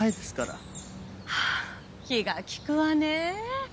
ああ気が利くわねえ。